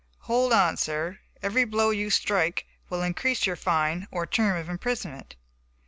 "Hold on, sir, every blow you strike will increase your fine or term of imprisonment."